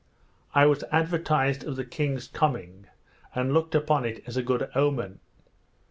I was advertised of the king's coming, and looked upon it as a good omen.